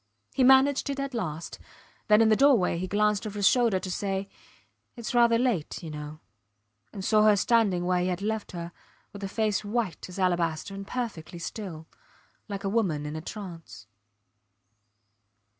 He managed it at last; then in the doorway he glanced over his shoulder to say, Its rather late you know and saw her standing where he had left her, with a face white as alabaster and perfectly still, like a woman in a trance.